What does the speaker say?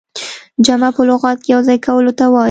جمع په لغت کښي يو ځاى کولو ته وايي.